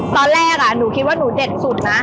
ตอนแรกหนูคิดว่าหนูเด็ดสุดนะ